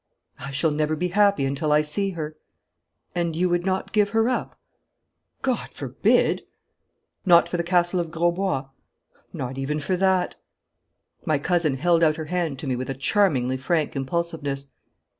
'I shall never be happy until I see her.' 'And you would not give her up?' 'God forbid!' 'Not for the Castle of Grosbois?' 'Not even for that.' My cousin held out her hand to me with a charmingly frank impulsiveness.